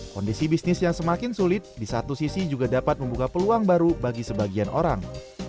kondisi bisnis yang semakin sulit di satu sisi juga dapat membuka peluang baru bagi sebagian orang